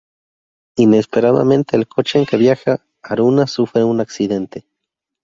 Inesperadamente el coche en que viaja Haruna sufre un accidente.